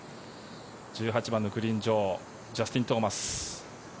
１８番のグリーン上ジャスティン・トーマス。